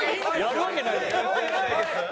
やるわけないだろ！